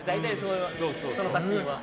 その作品は。